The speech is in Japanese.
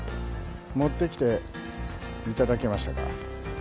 持ってきていただけましたか？